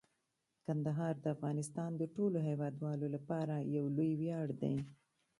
کندهار د افغانستان د ټولو هیوادوالو لپاره یو لوی ویاړ دی.